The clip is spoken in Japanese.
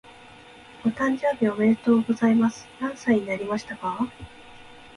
お誕生日おめでとうございます。何歳になりましたか？